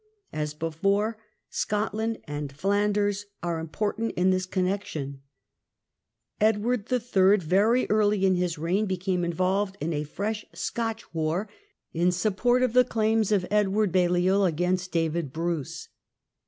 As before, Scotland and Flanders are important in this connection. Edward III., very early in his reign, be came involved in a fresh Scotch war in support of the claims of Edward Balliol against David Bruce.